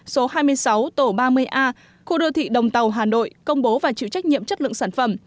số hai mươi sáu tổ ba mươi a khu đô thị đồng tàu hà nội công bố và chịu trách nhiệm chất lượng sản phẩm